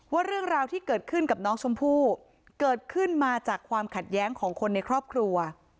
เรื่องราวที่เกิดขึ้นกับน้องชมพู่เกิดขึ้นมาจากความขัดแย้งของคนในครอบครัว